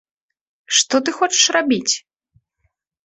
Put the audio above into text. Што ты хочаш рабіць?